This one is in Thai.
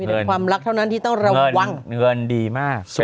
เป็นความรักเท่านั้นที่ต้องระวังเงินดีมาก